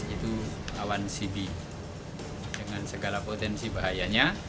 jadi awan ini adalah awan cp dengan segala potensi bahayanya